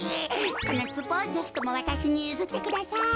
このつぼをぜひともわたしにゆずってください。